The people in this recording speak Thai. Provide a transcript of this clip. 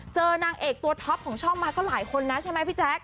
นางเอกตัวท็อปของช่องมาก็หลายคนนะใช่ไหมพี่แจ๊ค